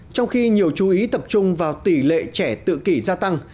trong khi nhiều chú ý tập trung vào tỷ lệ trẻ tự kỷ gia tăng